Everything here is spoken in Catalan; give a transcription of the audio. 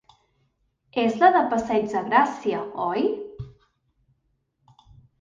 És la de Passeig de Gràcia, oi?